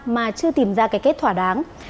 mà chưa tìm ra cái kết thỏa đáng